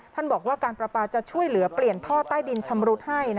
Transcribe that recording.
ท่านบอกว่าการประปาจะช่วยเหลือเปลี่ยนท่อใต้ดินชำรุดให้